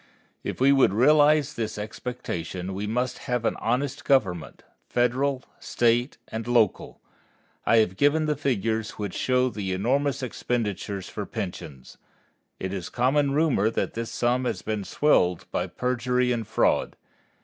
If we would realize this expectation we must have an honest government, Federal, State, and local. I have given the figures which show the enormous expenditures for pensions. It is common rumor that this sum has been swelled by perjury and fraud.